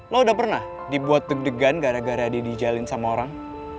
lo udah pernah dibuat deg degan gara gara dia dijalin sama orang